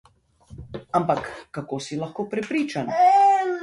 Ampak kako si lahko prepričan?